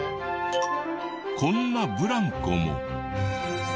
こんなブランコも。